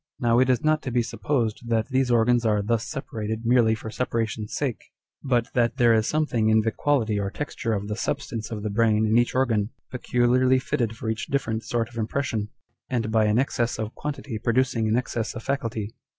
Now it is not to be supposed that these organs are thus separated merely for separation's sake, but that there is something in the quality or texture of the substance of the brain in each organ, peculiarly fitted for each different sort of impression, and by an excess of quantity producing an excess of faculty.